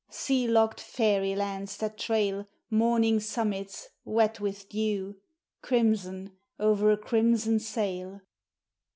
Sea locked Fairy lands that trail Morning summits, wet with dew, Crimson, o'er a crimson sail?